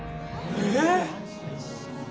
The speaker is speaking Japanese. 「え！？」。